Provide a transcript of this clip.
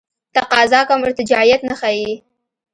تقاضا کوم ارتجاعیت نه ښیي.